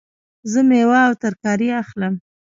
زه میوه او ترکاری اخلم